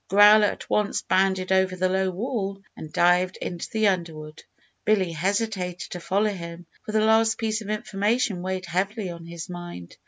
Growler at once bounded over the low wall and dived into the underwood. Billy hesitated to follow him, for the last piece of information weighed heavily on his mind.